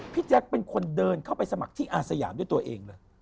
แจ๊คเป็นคนเดินเข้าไปสมัครที่อาสยามด้วยตัวเองเลย